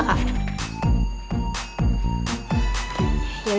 berapa jam kak